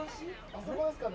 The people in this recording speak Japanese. あそこですかね。